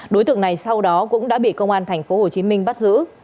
đối tượng này sau đó cũng đã bị công an tp hcm bắt giữ